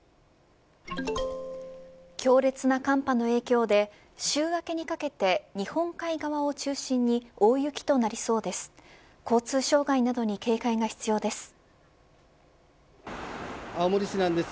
強烈な寒波の影響で週明けにかけて日本海側を中心に大雪となりそうです。